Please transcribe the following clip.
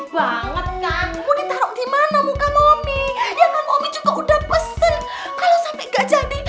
banget kan mau ditaruh di mana muka momi ya kan omi juga udah pesen kalau sampai enggak jadi